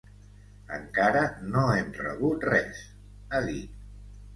Encara no hem rebut res, ha dit.